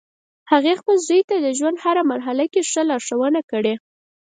هغې خپل زوی ته د ژوند په هر مرحله کې ښه لارښوونه کړی